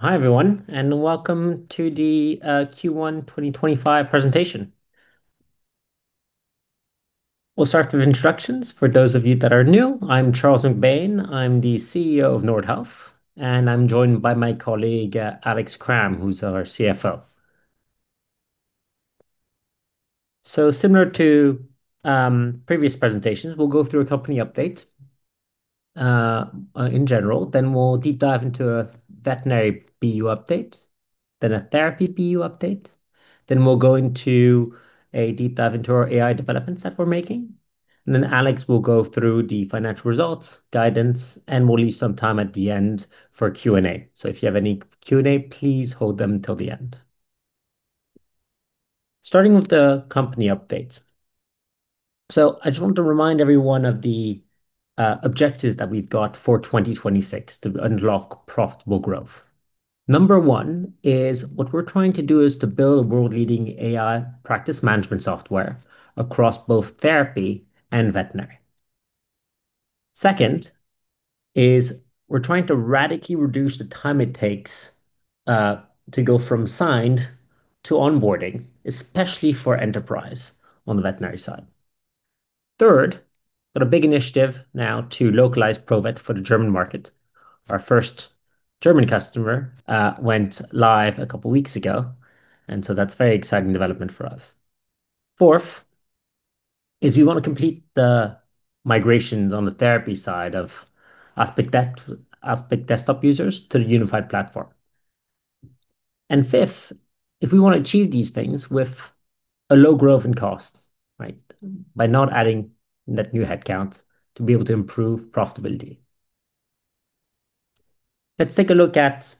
Hi everyone, welcome to the Q1 2025 presentation. We'll start with introductions for those of you that are new. I'm Charles MacBain. I'm the CEO of Nordhealth, and I'm joined by my colleague, Alex Cram, who's our CFO. Similar to previous presentations, we'll go through a company update in general, then we'll deep dive into a Veterinary BU update, then a Therapy BU update. We'll go into a deep dive into our AI developments that we're making. Alex will go through the financial results, guidance, and we'll leave some time at the end for Q&A. If you have any Q&A, please hold them till the end. Starting with the company update. I just want to remind everyone of the objectives that we've got for 2026 to unlock profitable growth. Number one is what we're trying to do is to build world-leading AI practice management software across both Therapy and Veterinary. Second is we're trying to radically reduce the time it takes to go from signed to onboarding, especially for enterprise on the Veterinary side. Third, got a big initiative now to localize Provet for the German market. Our first German customer went live a couple weeks ago, so that's very exciting development for us. Fourth is we wanna complete the migrations on the Therapy side of Aspit Desktop users to the Unified Platform. Fifth, if we wanna achieve these things with a low growth in cost, right, by not adding net new headcounts to be able to improve profitability. Let's take a look at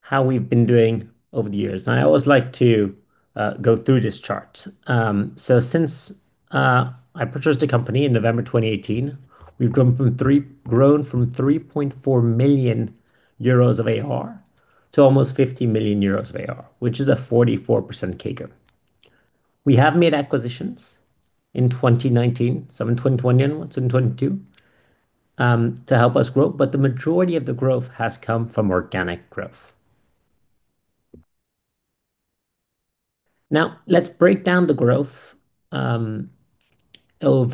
how we've been doing over the years. I always like to go through this chart. Since I purchased the company in November 2018, we've grown from 3.4 million euros of ARR to almost 50 million euros of ARR, which is a 44% CAGR. We have made acquisitions in 2019, some in 2021, some in 2022, to help us grow, but the majority of the growth has come from organic growth. Let's break down the growth over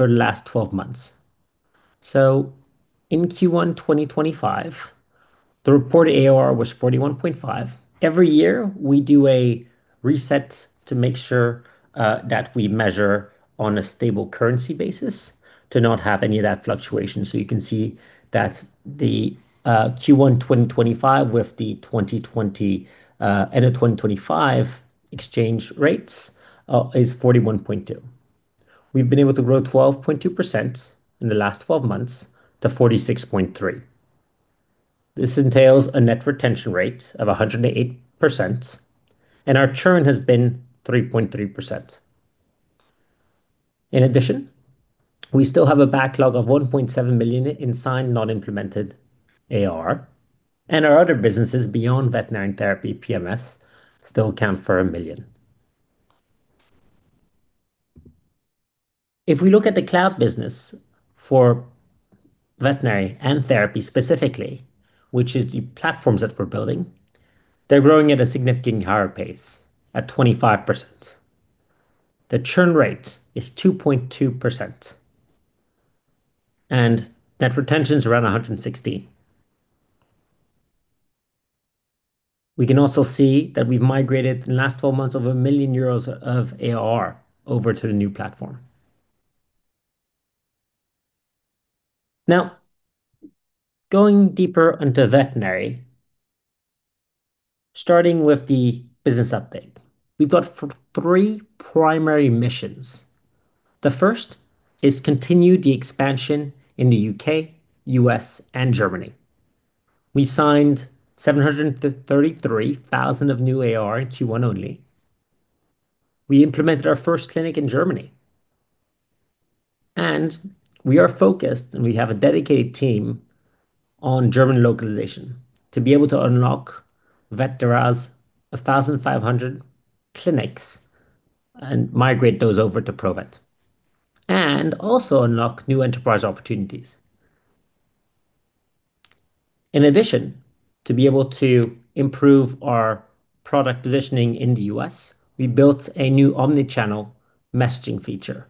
the last 12 months. In Q1 2025, the reported ARR was 41.5 million. Every year, we do a reset to make sure that we measure on a stable currency basis to not have any of that fluctuation. You can see that the Q1 2025 with the 2020 end of 2025 exchange rates is 41.2 million. We've been able to grow 12.2% in the last 12 months to 46.3 million. This entails a net retention rate of 108%, and our churn has been 3.3%. In addition, we still have a backlog of 1.7 million in signed non-implemented ARR, and our other businesses beyond Veterinary and Therapy PMS still account for 1 million. If we look at the Cloud business for Veterinary and Therapy specifically, which is the platforms that we're building. They're growing at a significantly higher pace at 25%. The churn rate is 2.2%, and net retention is around 160%. We can also see that we've migrated in the last 12 months of EUR 1 million of ARR over to the new platform. Now, going deeper into Veterinary, starting with the business update. We've got three primary missions. The first is continue the expansion in the U.K., U.S., and Germany. We signed 733,000 of new ARR in Q1 only. We implemented our first clinic in Germany. We are focused, and we have a dedicated team on German localization to be able to unlock Vetera's 1,500 clinics and migrate those over to Provet and also unlock new enterprise opportunities. In addition, to be able to improve our product positioning in the U.S., we built a new omni-channel messaging feature,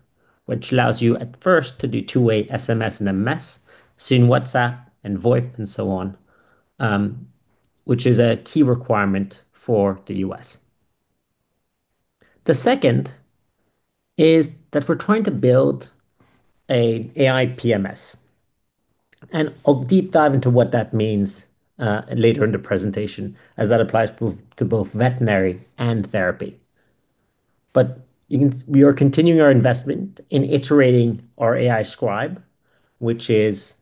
which allows you at first to do two-way SMS and MMS, soon WhatsApp and VoIP and so on, which is a key requirement for the U.S. The second is that we're trying to build a AI PMS. I'll deep dive into what that means later in the presentation as that applies to both Veterinary and Therapy. We are continuing our investment in iterating our AI Scribe, which is,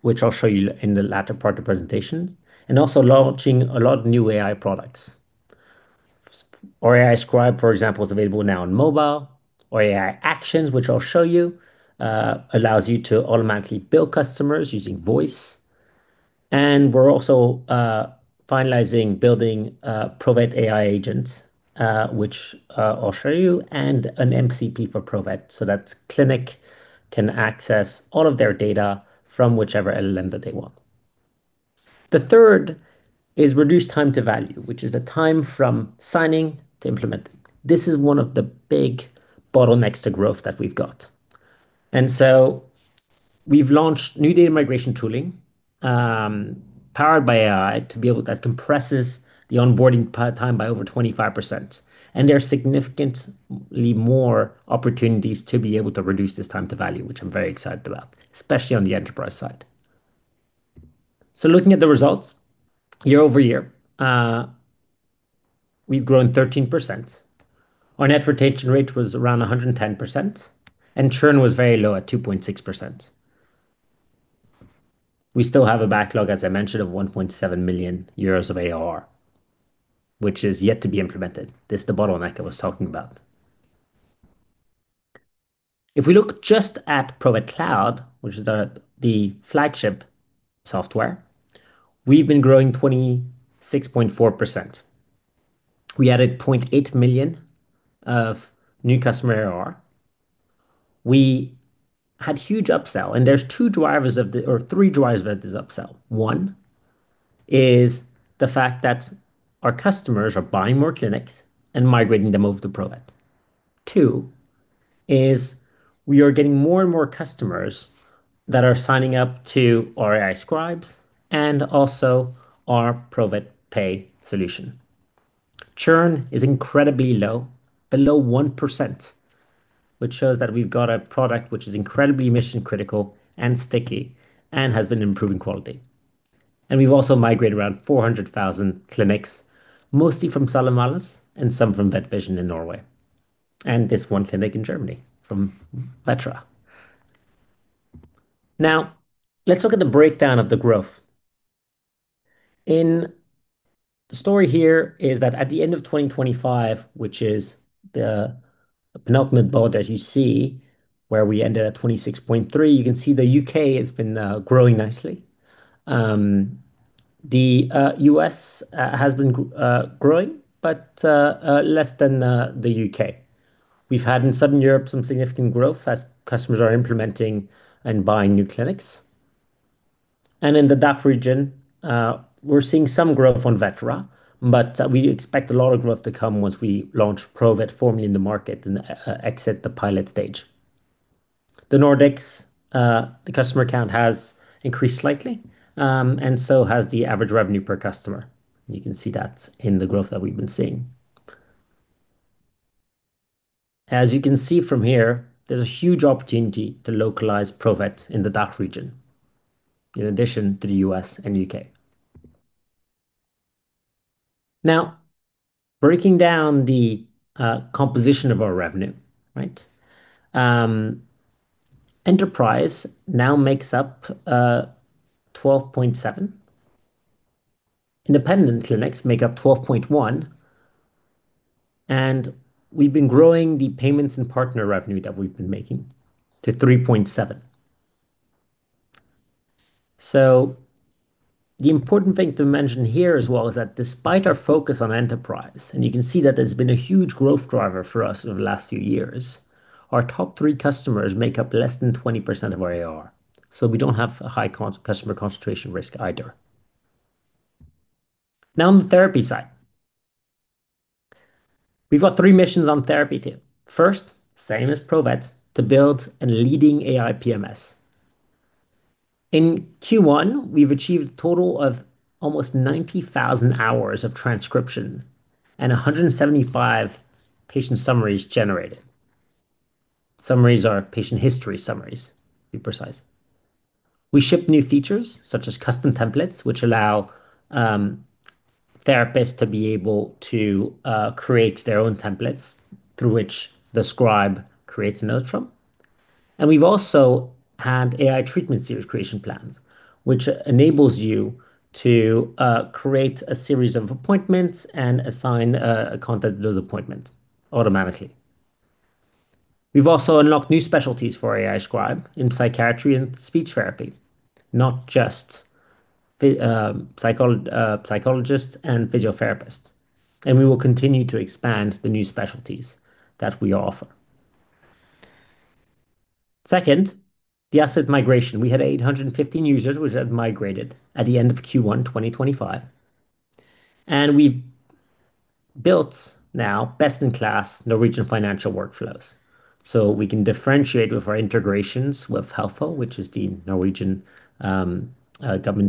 which I'll show you in the latter part of the presentation, and also launching a lot of new AI products. Our AI Scribe, for example, is available now on mobile. Our AI Actions, which I'll show you, allows you to automatically bill customers using voice. We're also finalizing building a Provet AI agent, which, I'll show you, and an MCP for Provet so that clinic can access all of their data from whichever LLM that they want. The third is reduce time to value, which is the time from signing to implementing. This is one of the big bottlenecks to growth that we've got. We've launched new data migration tooling, powered by AI that compresses the onboarding part time by over 25%. There are significantly more opportunities to be able to reduce this time to value, which I'm very excited about, especially on the enterprise side. Looking at the results year-over-year, we've grown 13%. Our net retention rate was around 110%, and churn was very low at 2.6%. We still have a backlog, as I mentioned, of 1.7 million euros of ARR, which is yet to be implemented. This is the bottleneck I was talking about. If we look just at Provet Cloud, which is the flagship software, we've been growing 26.4%. We added 0.8 million of new customer ARR. We had huge upsell, and there's two drivers of the or three drivers of this upsell. One is the fact that our customers are buying more clinics and migrating them over to Provet. Two is we are getting more and more customers that are signing up to our AI Scribes and also our Provet Pay solution. Churn is incredibly low, below 1%, which shows that we've got a product which is incredibly mission-critical and sticky and has been improving quality. We've also migrated around 400,000 clinics, mostly from Sanimalis and some from VetVision in Norway, and this one clinic in Germany from Vetera. Now, let's look at the breakdown of the growth. The story here is that at the end of 2025, which is the penultimate board, as you see, where we ended at 26.3, you can see the U.K. has been growing nicely. The U.S. has been growing, but less than the U.K. We've had in Southern Europe some significant growth as customers are implementing and buying new clinics. In the DACH region, we're seeing some growth on Vetera, but we expect a lot of growth to come once we launch Provet formally in the market and exit the pilot stage. The Nordics, the customer count has increased slightly, and so has the average revenue per customer. You can see that in the growth that we've been seeing. As you can see from here, there's a huge opportunity to localize Provet in the DACH region, in addition to the U.S. and U.K. Breaking down the composition of our revenue, right? Enterprise now makes up 12.7%. Independent clinics make up 12.1%. We've been growing the payments and partner revenue that we've been making to 3.7%. The important thing to mention here as well is that despite our focus on enterprise, and you can see that it's been a huge growth driver for us over the last few years, our top three customers make up less than 20% of our ARR. We don't have a high customer concentration risk either. On the Therapy side. We've got three missions on therapy too. First, same as Provet's, to build a leading AI PMS. In Q1, we've achieved a total of almost 90,000 hours of transcription and 175 patient summaries generated. Summaries are patient history summaries, to be precise. We ship new features such as custom templates, which allow therapists to be able to create their own templates through which the scribe creates a note from. We've also had AI treatment series creation plans, which enables you to create a series of appointments and assign a content to those appointments automatically. We've also unlocked new specialties for AI Scribe in psychiatry and speech therapy, not just psychologists and physiotherapists, and we will continue to expand the new specialties that we offer. Second, the Aspit migration. We had 815 users which had migrated at the end of Q1 2025, and we built now best-in-class Norwegian financial workflows. We can differentiate with our integrations with Helfo, which is the Norwegian government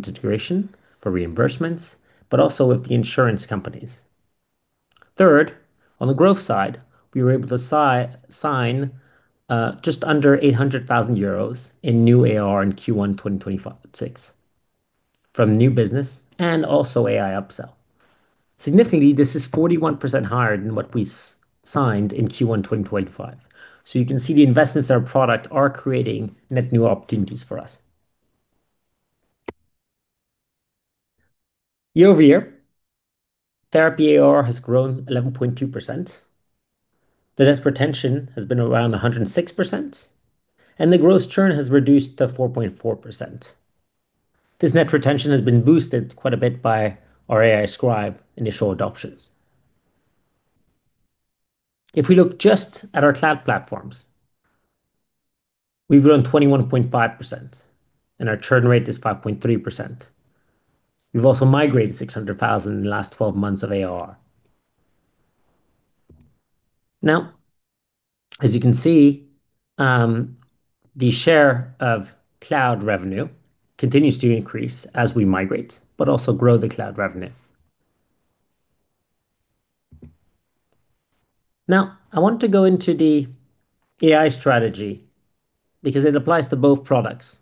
integration for reimbursements, but also with the insurance companies. Third, on the growth side, we were able to sign just under 800,000 euros in new ARR in Q1 2026 from new business and also AI upsell. Significantly, this is 41% higher than what we signed in Q1 2025. You can see the investments in our product are creating net new opportunities for us. Year-over-year, Therapy ARR has grown 11.2%. The net retention has been around 106%, and the gross churn has reduced to 4.4%. This net retention has been boosted quite a bit by our AI Scribe initial adoptions. If we look just at our Cloud platforms, we've grown 21.5% and our churn rate is 5.3%. We've also migrated 600,000 in the last 12 months of ARR. As you can see, the share of Cloud revenue continues to increase as we migrate, but also grow the Cloud revenue. I want to go into the AI strategy because it applies to both products.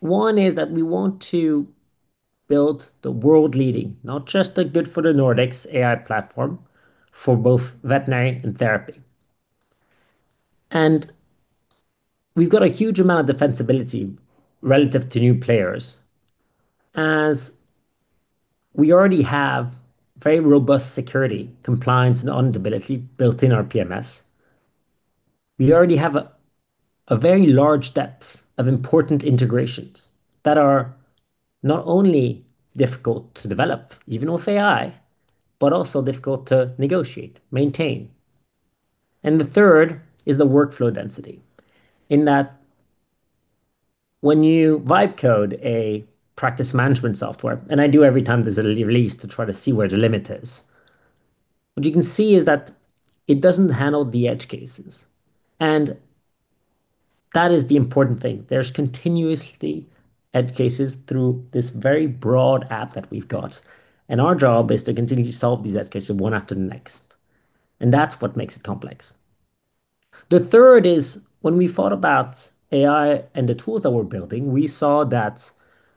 One is that we want to build the world-leading, not just a good for the Nordics AI platform for both Veterinary and Therapy. We've got a huge amount of defensibility relative to new players as we already have very robust security compliance and auditability built in our PMS. We already have a very large depth of important integrations that are not only difficult to develop even with AI, but also difficult to negotiate, maintain. The third is the workflow density in that when you vibe code a practice management software, and I do every time there's a release to try to see where the limit is. What you can see is that it doesn't handle the edge cases, and that is the important thing. There's continuously edge cases through this very broad app that we've got, Our job is to continue to solve these edge cases one after the next, That's what makes it complex. The third is when we thought about AI and the tools that we're building, we saw that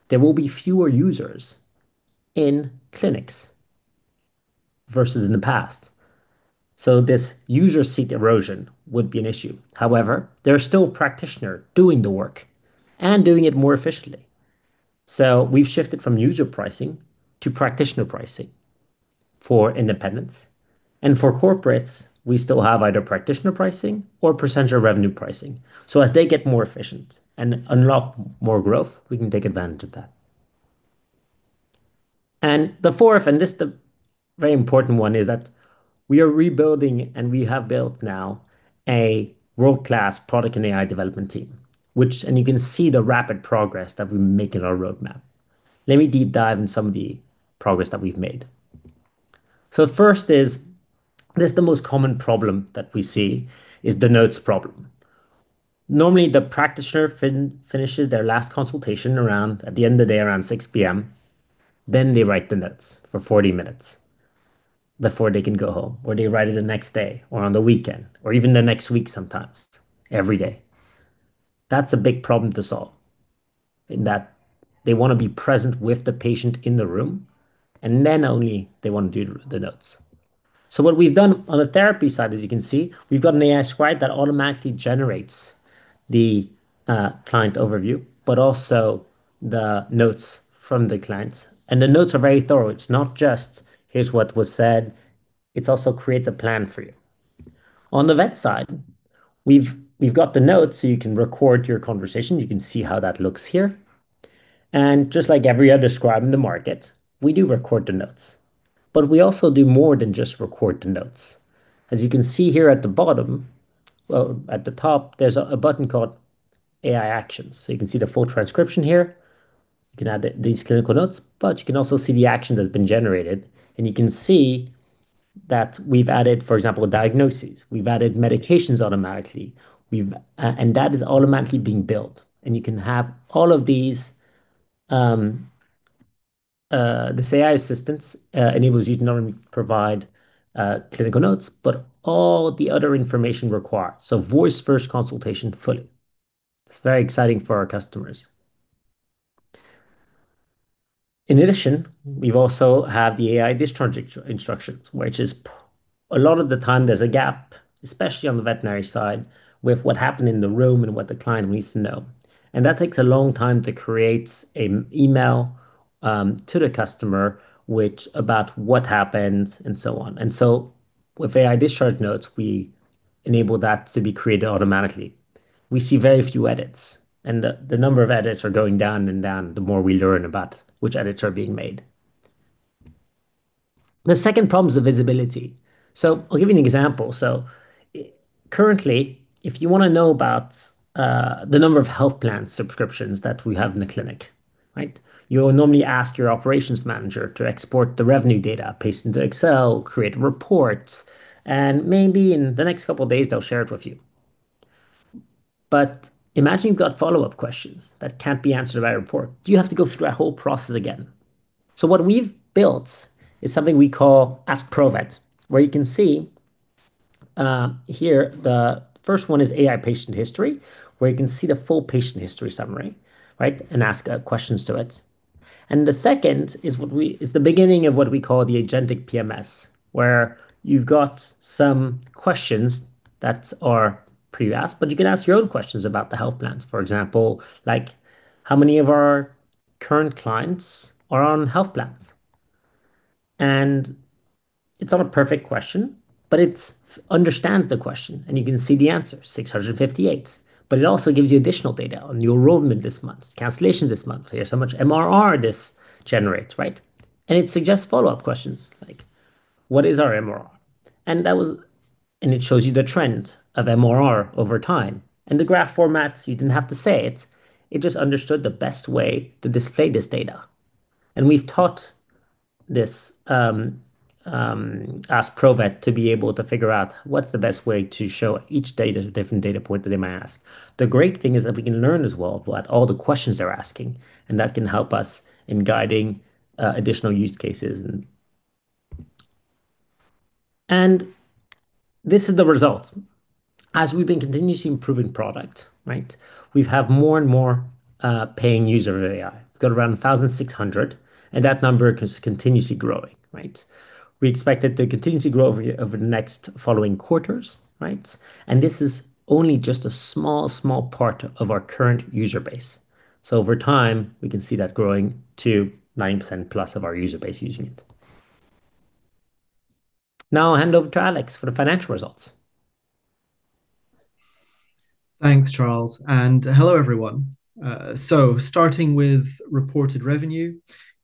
there will be fewer users in clinics versus in the past, so this user seat erosion would be an issue. However, there are still practitioner doing the work and doing it more efficiently. We've shifted from user pricing to practitioner pricing for independents and for corporates, we still have either practitioner pricing or percentage of revenue pricing. As they get more efficient and unlock more growth, we can take advantage of that. The fourth, and this the very important one, is that we are rebuilding, and we have built now a world-class product and AI development team, which, and you can see the rapid progress that we make in our roadmap. Let me deep dive in some of the progress that we've made. First is, this the most common problem that we see is the notes problem. Normally, the practitioner finishes their last consultation around, at the end of the day, around 6:00 P.M., then they write the notes for 40-minutes before they can go home, or they write it the next day or on the weekend, or even the next week sometimes, every day. That's a big problem to solve in that they wanna be present with the patient in the room, then only they wanna do the notes. What we've done on the Therapy side, as you can see, we've got an AI Scribe that automatically generates the client overview, also the notes from the clients. The notes are very thorough. It's not just, here's what was said. It also creates a plan for you. On the Vet side, we've got the notes, so you can record your conversation. You can see how that looks here. Just like every other scribe in the market, we do record the notes. We also do more than just record the notes. As you can see here at the bottom Well, at the top, there's a button called AI Actions. You can see the full transcription here. You can add these clinical notes, but you can also see the action that's been generated. You can see that we've added, for example, diagnoses. We've added medications automatically. We've, and that is automatically being built. You can have all of these, this AI assistance enables you to not only provide clinical notes, but all the other information required. Voice first consultation fully. It's very exciting for our customers. In addition, we've also had the AI discharge instructions, which is a lot of the time there's a gap, especially on the Veterinary side, with what happened in the room and what the client needs to know. That takes a long time to create a email to the customer, which about what happened and so on. With AI Discharge Notes, we enable that to be created automatically. We see very few edits, the number of edits are going down and down the more we learn about which edits are being made. The second problem is the visibility. I'll give you an example. Currently, if you wanna know about the number of health plan subscriptions that we have in the clinic, right? You'll normally ask your operations manager to export the revenue data, paste into Excel, create reports, and maybe in the next couple of days, they'll share it with you. Imagine you've got follow-up questions that can't be answered by a report. Do you have to go through that whole process again? What we've built is something we call Ask Provet, where you can see, here, the first one is AI Patient History, where you can see the full patient history summary, right, and ask questions to it. The second is the beginning of what we call the agentic PMS, where you've got some questions that are pre-asked, but you can ask your own questions about the health plans. For example, like how many of our current clients are on health plans? It's not a perfect question, but it understands the question, and you can see the answer, 658. It also gives you additional data on new enrollment this month, cancellation this month. Here's how much MRR this generates, right? It suggests follow-up questions like: What is our MRR? It shows you the trend of MRR over time. In the graph formats, you didn't have to say it just understood the best way to display this data. We've taught this Ask Provet to be able to figure out what's the best way to show each data, different data point that they might ask. The great thing is that we can learn as well that all the questions they're asking, and that can help us in guiding additional use cases. This is the result. As we've been continuously improving product, right, we've have more and more paying user of AI. We've got around 1,600, and that number is continuously growing, right? We expect it to continue to grow over the next following quarters, right? This is only just a small, small part of our current user base. Over time, we can see that growing to 9%+ of our user base using it. I'll hand over to Alex for the financial results. Thanks, Charles. Hello, everyone. Starting with reported revenue,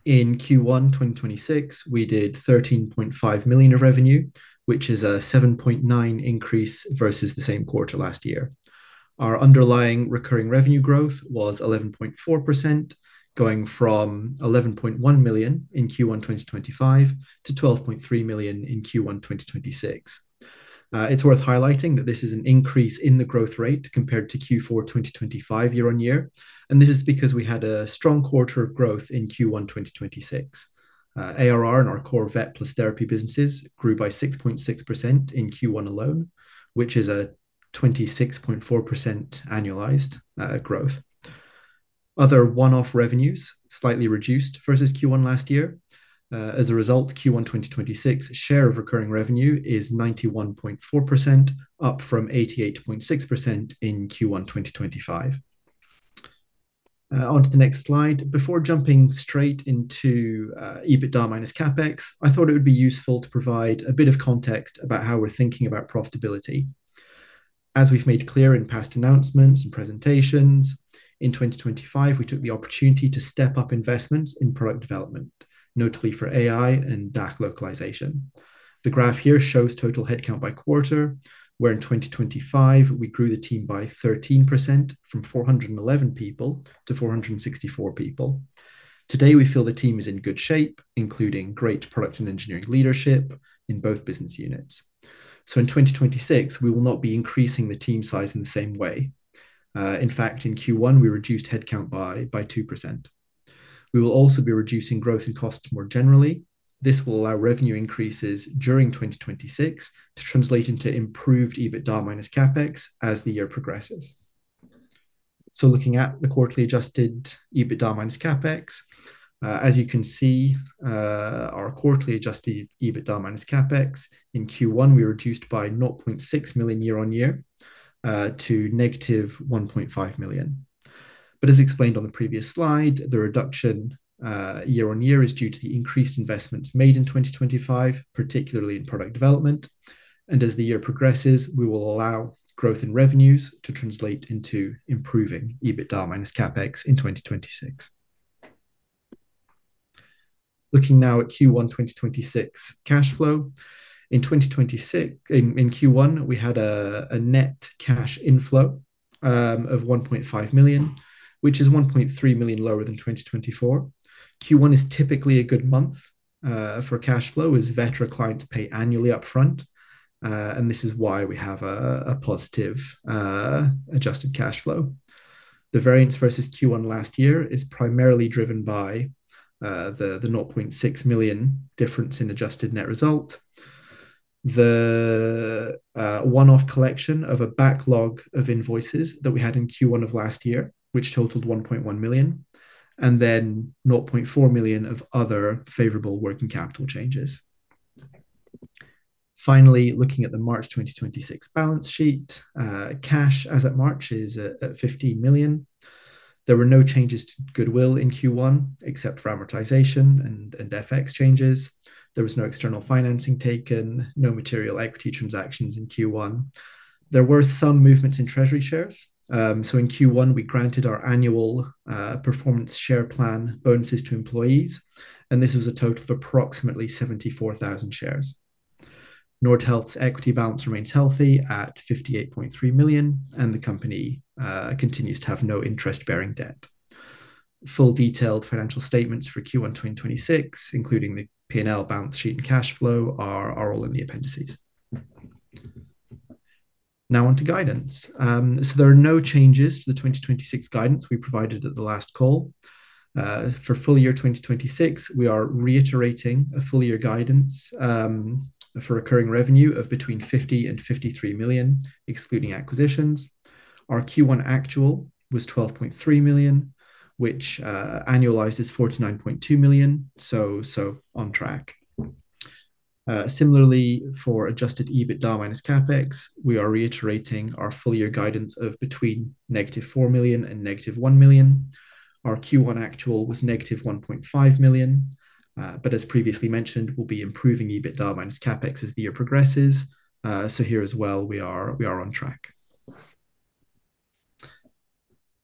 in Q1 2026, we did 13.5 million of revenue, which is a 7.9% increase versus the same quarter last year. Our underlying recurring revenue growth was 11.4%, going from 11.1 million in Q1 2025 to 12.3 million in Q1 2026. It's worth highlighting that this is an increase in the growth rate compared to Q4 2025 year-on-year, this is because we had a strong quarter of growth in Q1 2026. ARR in our core Vet plus Therapy businesses grew by 6.6% in Q1 alone, which is a 26.4% annualized growth. Other one-off revenues slightly reduced versus Q1 last year. As a result, Q1 2026 share of recurring revenue is 91.4%, up from 88.6% in Q1 2025. Onto the next slide. Before jumping straight into EBITDA minus CapEx, I thought it would be useful to provide a bit of context about how we're thinking about profitability. As we've made clear in past announcements and presentations, in 2025, we took the opportunity to step up investments in product development, notably for AI and DACH localization. The graph here shows total headcount by quarter, where in 2025, we grew the team by 13% from 411 people to 464 people. Today, we feel the team is in good shape, including great product and engineering leadership in both business units. In 2026, we will not be increasing the team size in the same way. In fact, in Q1, we reduced headcount by 2%. We will also be reducing growth in cost more generally. This will allow revenue increases during 2026 to translate into improved EBITDA minus CapEx as the year progresses. Looking at the quarterly adjusted EBITDA minus CapEx, as you can see, our quarterly adjusted EBITDA minus CapEx in Q1, we reduced by 0.6 million year on year to -1.5 million. As explained on the previous slide, the reduction year on year is due to the increased investments made in 2025, particularly in product development. As the year progresses, we will allow growth in revenues to translate into improving EBITDA minus CapEx in 2026. Looking now at Q1 2026 cash flow. In Q1, we had a net cash inflow of 1.5 million, which is 1.3 million lower than 2024. Q1 is typically a good month for cash flow as Vetera clients pay annually upfront, and this is why we have a positive adjusted cash flow. The variance versus Q1 last year is primarily driven by the 0.6 million difference in adjusted net result, the one-off collection of a backlog of invoices that we had in Q1 of last year, which totaled 1.1 million, then 0.4 million of other favorable working capital changes. Finally, looking at the March 2026 balance sheet, cash as at March is at 15 million. There were no changes to goodwill in Q1 except for amortization and FX changes. There was no external financing taken, no material equity transactions in Q1. There were some movements in treasury shares. In Q1, we granted our annual Performance Share Plan bonuses to employees, and this was a total of approximately 74,000 shares. Nordhealth's equity balance remains healthy at 58.3 million, and the company continues to have no interest-bearing debt. Full detailed financial statements for Q1 2026, including the P&L balance sheet and cash flow are all in the appendices. Now onto guidance. There are no changes to the 2026 guidance we provided at the last call. For full year 2026, we are reiterating a full year guidance for recurring revenue of between 50 million and 53 million, excluding acquisitions. Our Q1 actual was 12.3 million, which annualizes 49.2 million, so on track. Similarly, for adjusted EBITDA minus CapEx, we are reiterating our full year guidance of between -4 million and -1 million. Our Q1 actual was -1.5 million. As previously mentioned, we'll be improving EBITDA minus CapEx as the year progresses. Here as well, we are on track.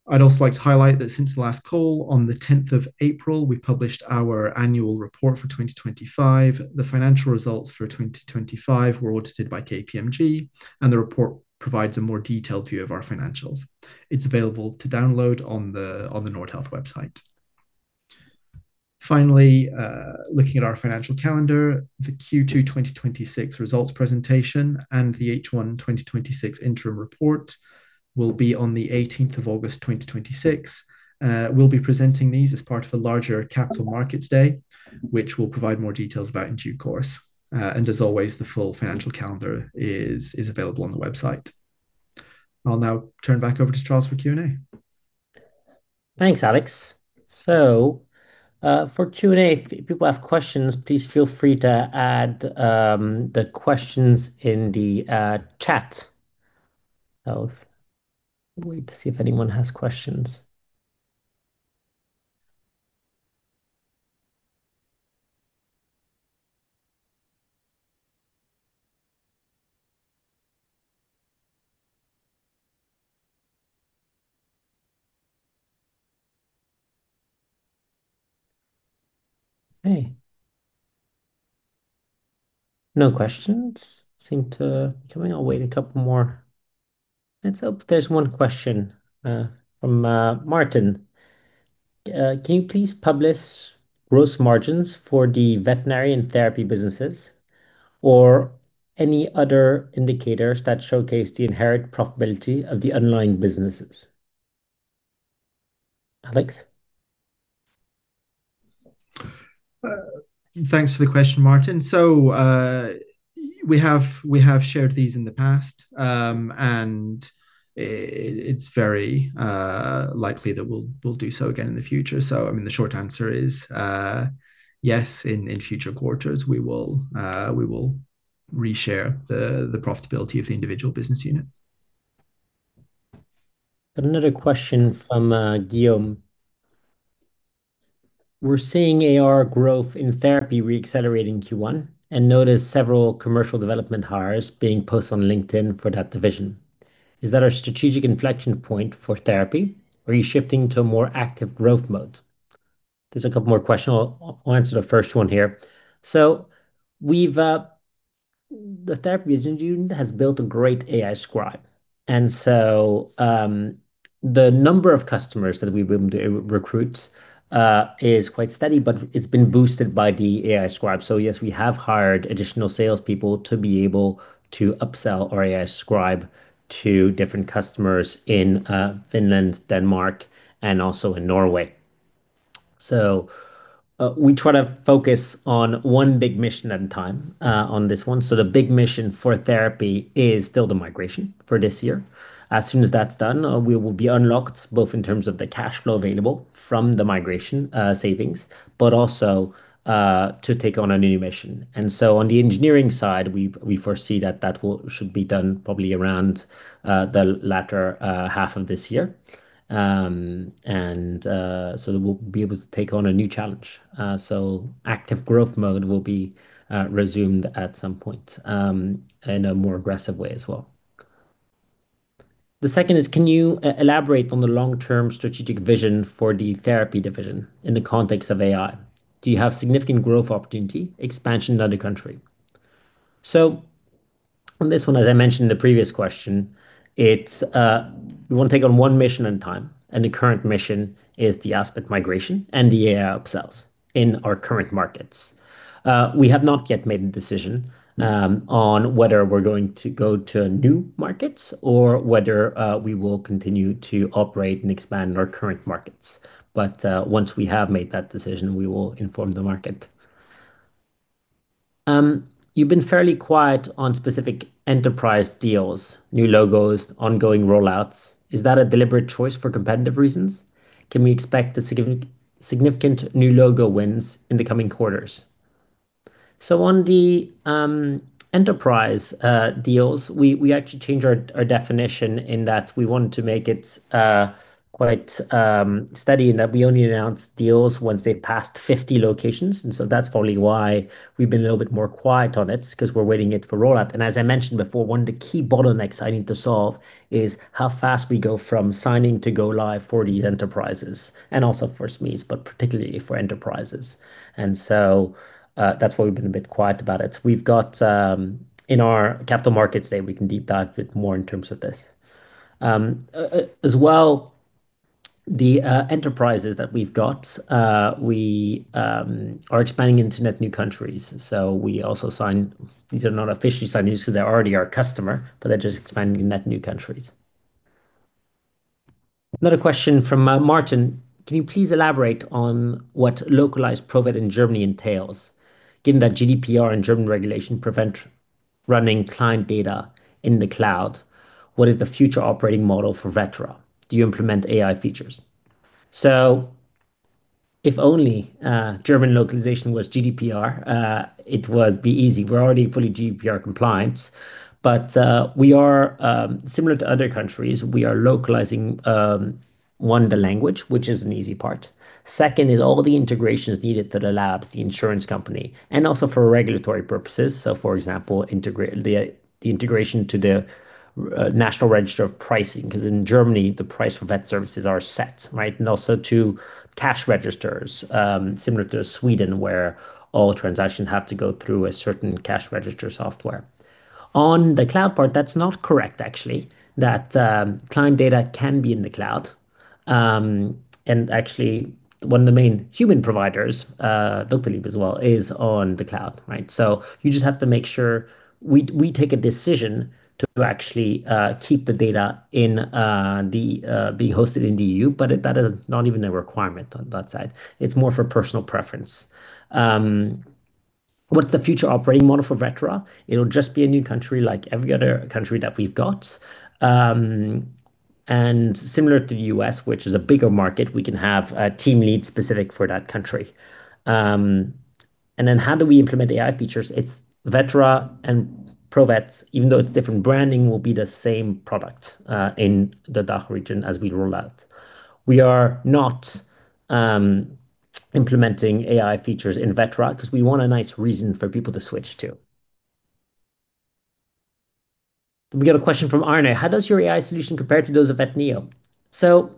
I'd also like to highlight that since the last call on the 10th of April, we published our annual report for 2025. The financial results for 2025 were audited by KPMG, the report provides a more detailed view of our financials. It's available to download on the Nordhealth website. Finally, looking at our financial calendar, the Q2 2026 results presentation and the H1 2026 interim report will be on the 18th of August 2026. We'll be presenting these as part of a larger Capital Markets Day, which we'll provide more details about in due course. As always, the full financial calendar is available on the website. I'll now turn back over to Charles for Q&A. Thanks, Alex. For Q&A, if people have questions, please feel free to add the questions in the chat. I'll wait to see if anyone has questions. Okay. No questions seem to be coming. I'll wait a couple more. There's one question from Martin: Can you please publish gross margins for the Veterinary and Therapy businesses or any other indicators that showcase the inherent profitability of the underlying businesses? Alex. Thanks for the question, Martin. We have shared these in the past. It's very likely that we'll do so again in the future. I mean, the short answer is, yes, in future quarters, we will re-share the profitability of the individual business units. Got another question from Guillaume: We're seeing ARR growth in Therapy re-accelerating in Q1 and noticed several commercial development hires being posted on LinkedIn for that division. Is that our strategic inflection point for Therapy? Or are you shifting to a more active growth mode? There's a couple more questions. I'll answer the first one here. The Therapy business unit has built a great AI Scribe. The number of customers that we've been able to recruit is quite steady, but it's been boosted by the AI Scribe. Yes, we have hired additional salespeople to be able to upsell our AI Scribe to different customers in Finland, Denmark, and also in Norway. We try to focus on one big mission at a time on this one. The big mission for Therapy is still the migration for this year. As soon as that's done, we will be unlocked both in terms of the cash flow available from the migration savings, but also to take on a new mission. On the engineering side, we foresee that that should be done probably around the latter half of this year. We'll be able to take on a new challenge. Active growth mode will be resumed at some point in a more aggressive way as well. The second is: Can you elaborate on the long-term strategic vision for the Therapy division in the context of AI? Do you have significant growth opportunity, expansion to other country? On this one, as I mentioned in the previous question, it's, we want to take on one mission at a time, and the current mission is the Aspit migration and the AI upsells in our current markets. We have not yet made a decision on whether we're going to go to new markets or whether we will continue to operate and expand our current markets. Once we have made that decision, we will inform the market. You've been fairly quiet on specific enterprise deals, new logos, ongoing rollouts. Is that a deliberate choice for competitive reasons? Can we expect to see significant new logo wins in the coming quarters? On the enterprise deals, we actually changed our definition in that we wanted to make it quite steady in that we only announce deals once they've passed 50 locations. That's probably why we've been a little bit more quiet on it, because we're waiting it for rollout. As I mentioned before, one of the key bottlenecks needing to solve is how fast we go from signing to go live for these enterprises, and also for SMEs, but particularly for enterprises. That's why we've been a bit quiet about it. We've got. In our Capital Markets Day, we can deep dive a bit more in terms of this. As well, the enterprises that we've got, we are expanding into net new countries. These are not officially signed new, so they're already our customer, but they're just expanding in net new countries. Another question from Martin: Can you please elaborate on what localized product in Germany entails, given that GDPR and German regulation prevent running client data in the Cloud? What is the future operating model for Vetera? Do you implement AI features? If only German localization was GDPR, it would be easy. We are already fully GDPR compliant. We are, similar to other countries, we are localizing One, the language, which is an easy part. Second is all the integrations needed to the labs, the insurance company, and also for regulatory purposes. For example, the integration to the national register of pricing, because in Germany, the price for Vet services are set, right? Also to cash registers, similar to Sweden, where all transactions have to go through a certain cash register software. On the Cloud part, that's not correct, actually, that client data can be in the Cloud. Actually one of the main human providers, Vitable as well, is on the Cloud, right? You just have to make sure we take a decision to actually keep the data in the be hosted in the EU, but that is not even a requirement on that side. It's more for personal preference. What's the future operating model for Vetera? It'll just be a new country like every other country that we've got. Similar to the U.S., which is a bigger market, we can have a team lead specific for that country. How do we implement AI features? It's Vetera and Provet, even though it's different branding, will be the same product in the DACH region as we roll out. We are not implementing AI features in Vetera because we want a nice reason for people to switch to. We got a question from Arne: How does your AI solution compare to those of Vetnio? To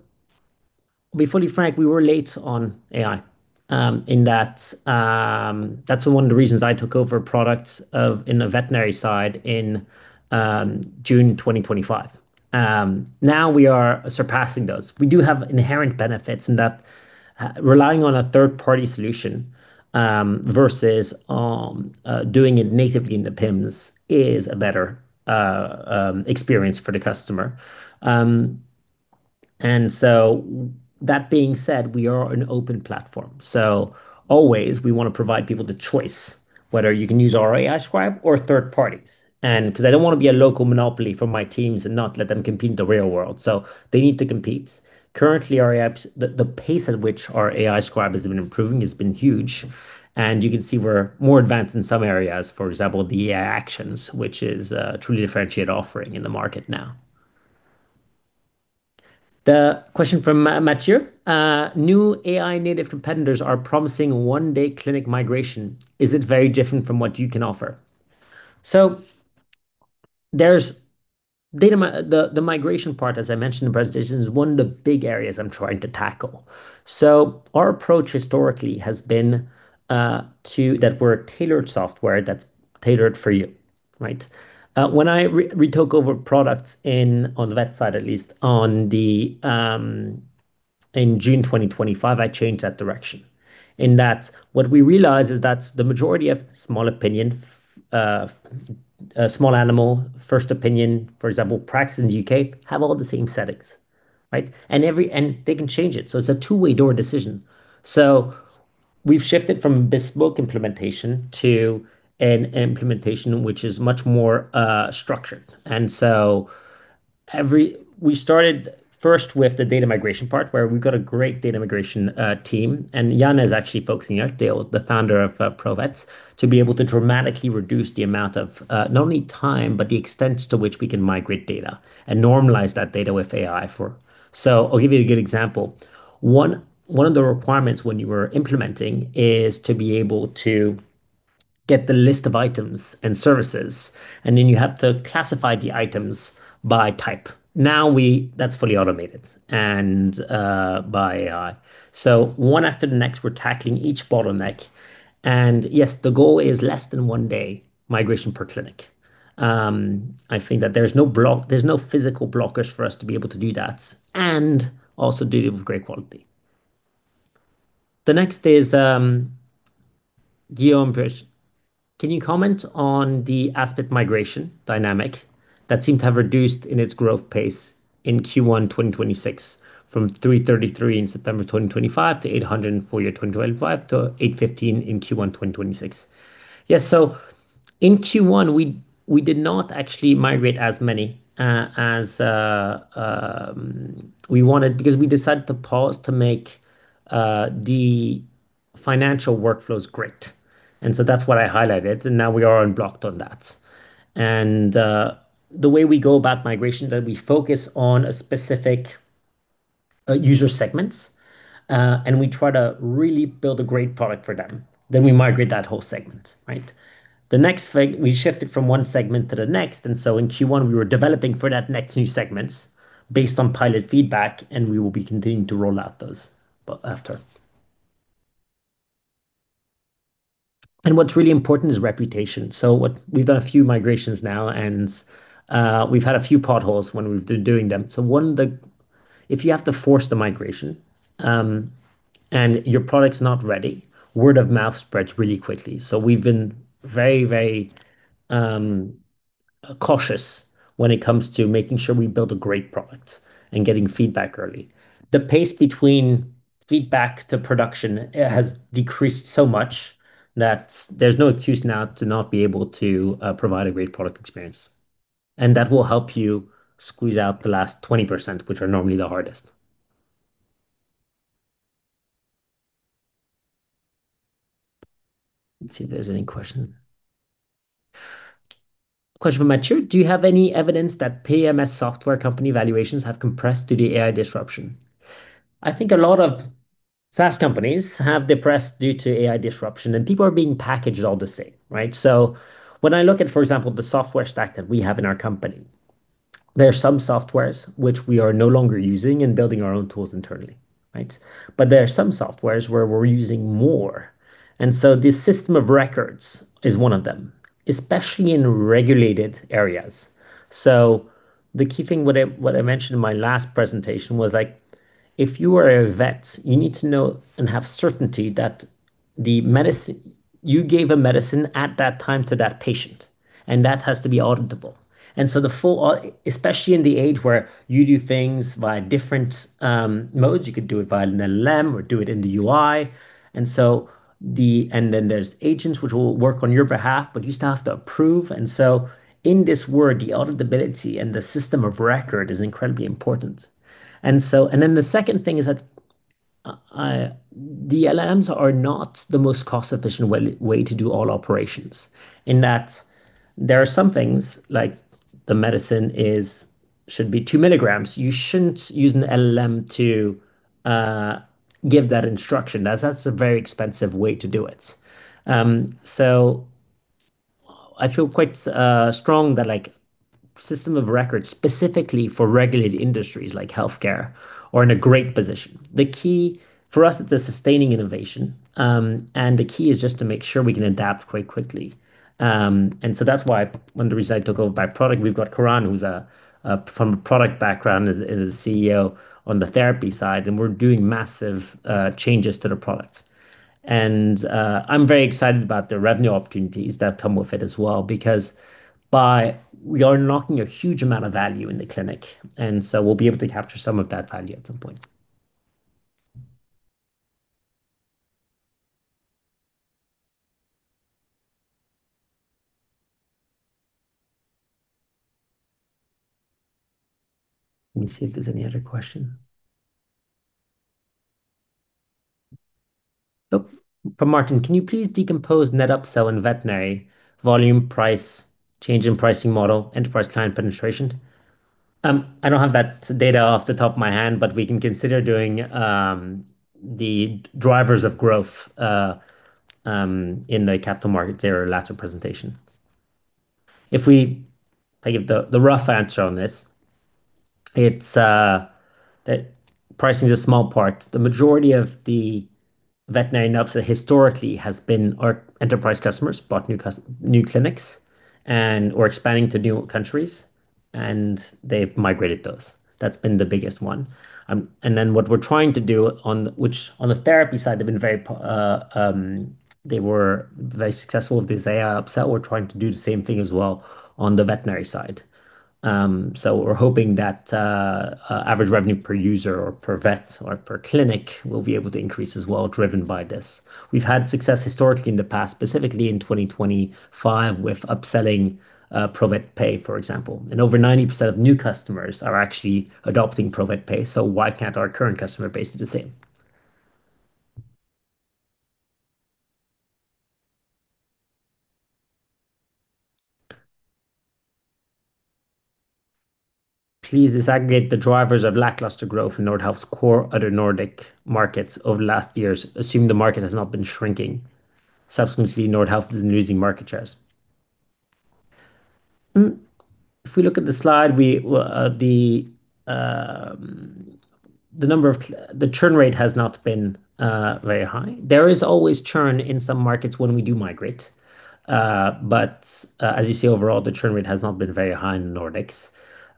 be fully frank, we were late on AI in that that's one of the reasons I took over product of in the Veterinary side in June 2025. Now we are surpassing those. We do have inherent benefits in that relying on a third-party solution versus doing it natively in the PIMS is a better experience for the customer. That being said, we are an open platform. Always we wanna provide people the choice whether you can use our AI Scribe or third parties. Because I don't wanna be a local monopoly for my teams and not let them compete in the real world. They need to compete. Currently, the pace at which our AI Scribe has been improving has been huge, and you can see we're more advanced in some areas, for example, the AI Actions, which is a truly differentiated offering in the market now. The question from Mathieu: New AI native competitors are promising one-day clinic migration. Is it very different from what you can offer? There's data the migration part, as I mentioned in the presentation, is one of the big areas I'm trying to tackle. Our approach historically has been that we're a tailored software that's tailored for you, right? When I retook over products in, on the Vet side, at least on the, in June 2025, I changed that direction. What we realized is that the majority of small animal, first opinion, for example, practice in the U.K., have all the same settings, right? They can change it. It's a two-way door decision. We've shifted from bespoke implementation to an implementation which is much more structured. We started first with the data migration part, where we've got a great data migration team, and Janne is actually focusing on it. They are the founder of Provet, to be able to dramatically reduce the amount of not only time, but the extent to which we can migrate data and normalize that data with AI for. I'll give you a good example. One of the requirements when you were implementing is to be able to get the list of items and services, and then you have to classify the items by type. That's fully automated and by AI. One after the next, we're tackling each bottleneck. Yes, the goal is less than one day migration per clinic. I think that there's no physical blockers for us to be able to do that and also do it with great quality. The next is Guillaume Pichon. Can you comment on the Aspit migration dynamic that seemed to have reduced in its growth pace in Q1 2026 from 333 in September 2025 to 804 for 2025 to 815 in Q1 2026? Yes. In Q1, we did not actually migrate as many as we wanted because we decided to pause to make the financial workflows great. That's what I highlighted, and now we are unblocked on that. The way we go about migration is that we focus on a specific user segments, and we try to really build a great product for them. We migrate that whole segment, right? The next thing, we shifted from one segment to the next, in Q1, we were developing for that next new segment based on pilot feedback, and we will be continuing to roll out those but after. What's really important is reputation. We've done a few migrations now, and we've had a few potholes when we've been doing them. If you have to force the migration, and your product's not ready, word of mouth spreads really quickly. We've been very, very cautious when it comes to making sure we build a great product and getting feedback early. The pace between feedback to production has decreased so much that there's no excuse now to not be able to provide a great product experience. That will help you squeeze out the last 20%, which are normally the hardest. Let's see if there's any question. Question from Mathieu: Do you have any evidence that PMS software company valuations have compressed due to AI disruption? I think a lot of SaaS companies have depressed due to AI disruption, and people are being packaged all the same, right? When I look at, for example, the software stack that we have in our company, there are some softwares which we are no longer using and building our own tools internally, right? There are some softwares where we're using more, and so this system of records is one of them, especially in regulated areas. The key thing what I mentioned in my last presentation was like, if you were a vet, you need to know and have certainty that you gave a medicine at that time to that patient, and that has to be auditable. The full—especially in the age where you do things via different modes. You could do it via an LLM or do it in the UI. Then there's agents which will work on your behalf, but you still have to approve. In this world, the auditability and the system of record is incredibly important. Then the second thing is that the LLMs are not the most cost-efficient way to do all operations in that there are some things like the medicine should be 2 mg. You shouldn't use an LLM to give that instruction, as that's a very expensive way to do it. I feel quite strong that like system of record, specifically for regulated industries like healthcare are in a great position. The key for us is the sustaining innovation. The key is just to make sure we can adapt quite quickly. That's why one of the reasons I took over by product, we've got Karan, who's from a product background as a CEO on the Therapy side, and we're doing massive changes to the product. I'm very excited about the revenue opportunities that come with it as well because we are unlocking a huge amount of value in the clinic, we'll be able to capture some of that value at some point. Let me see if there's any other question. From Martin. Can you please decompose net upsell in Veterinary volume price change in pricing model, enterprise client penetration? I don't have that data off the top of my hand, but we can consider doing the drivers of growth in the Capital Markets Day presentation. I give the rough answer on this. It's that pricing is a small part. The majority of the Veterinary upsell that historically has been our enterprise customers bought new clinics and are expanding to new countries, and they've migrated those. That's been the biggest one. What we're trying to do on the Therapy side, they've been very successful with this AI upsell. We're trying to do the same thing as well on the Veterinary side. We're hoping that average revenue per user or per vet or per clinic will be able to increase as well, driven by this. We've had success historically in the past, specifically in 2025, with upselling Provet Pay, for example. Over 90% of new customers are actually adopting Provet Pay, why can't our current customer base do the same? Please disaggregate the drivers of lackluster growth in Nordhealth's core other Nordic markets over the last years, assuming the market has not been shrinking. Subsequently, Nordhealth is losing market shares. If we look at the slide, the churn rate has not been very high. There is always churn in some markets when we do migrate. As you see, overall, the churn rate has not been very high in the Nordics.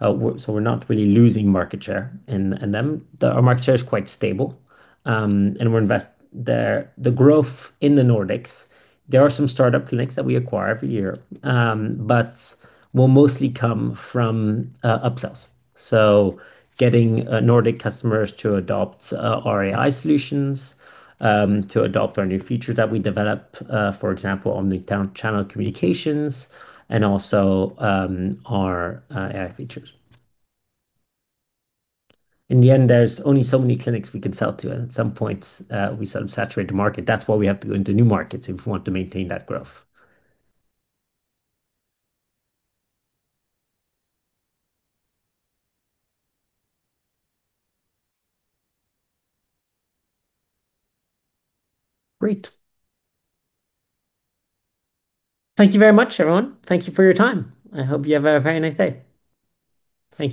We're not really losing market share in them. Our market share is quite stable, and we're invest there. The growth in the Nordics, there are some startup clinics that we acquire every year, but will mostly come from upsells. Getting Nordic customers to adopt our AI solutions, to adopt our new feature that we develop, for example, on the down channel communications and also our AI features. In the end, there's only so many clinics we can sell to. At some point, we sort of saturate the market. That's why we have to go into new markets if we want to maintain that growth. Great. Thank you very much, everyone. Thank you for your time. I hope you have a very nice day. Thank you.